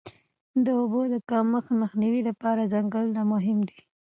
د اوبو د کمښت مخنیوي لپاره ځنګلونه مهم دي.